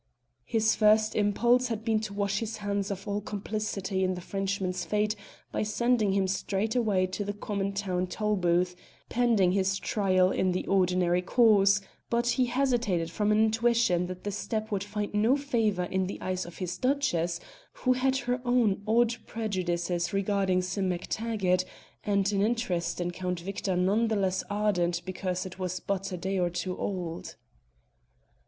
His first impulse had been to wash his hands of all complicity in the Frenchman's fate by sending him straightway to the common town tolbooth, pending his trial in the ordinary course; but he hesitated from an intuition that the step would find no favour in the eyes of his Duchess, who had her own odd prejudices regarding Sim MacTaggart, and an interest in Count Victor none the less ardent because it was but a day or two old.